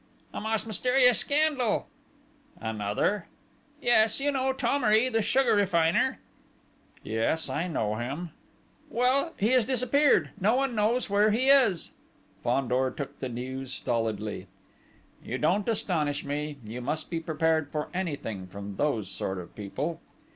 "A most mysterious scandal!..." "Another?" "Yes. You know Thomery, the sugar refiner?" "Yes, I know him!" "Well he has disappeared!... No one knows where he is!" Fandor took the news stolidly. "You don't astonish me: you must be prepared for anything from those sort of people!..."